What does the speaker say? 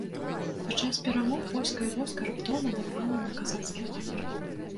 Падчас перамоў польскае войска раптоўна напала на казацкі лагер.